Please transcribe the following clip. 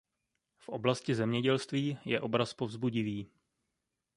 V oblasti zemědělství je obraz povzbudivý.